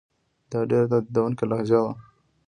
دا ډېره تهدیدوونکې لهجه وه.